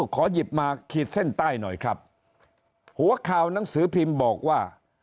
ขอหยิบมาขีดเส้นใต้หน่อยครับหัวข่าวหนังสือพิมพ์บอกว่า